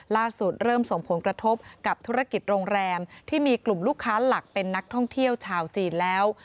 เริ่มส่งผลกระทบกับธุรกิจโรงแรมที่มีกลุ่มลูกค้าหลักเป็นนักท่องเที่ยวชาวจีนแล้ว